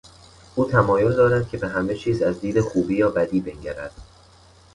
او تمایل دارد که به همه چیز از دید خوبی یا بدی بنگرد.